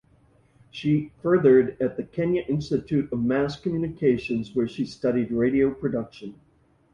She furthered at the Kenya Institute of Mass Communication where she studied radio production.